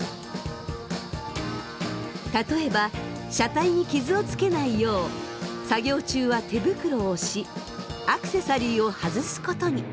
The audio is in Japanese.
例えば車体に傷をつけないよう作業中は手袋をしアクセサリーを外すことに。